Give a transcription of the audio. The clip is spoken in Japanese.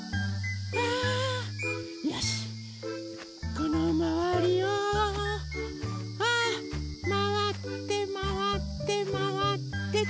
このまわりをまわってまわってまわってと。